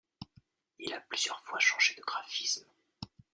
Il a plusieurs fois changé de graphisme.